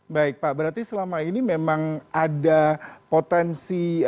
baik pak berarti selama ini memang ada potensi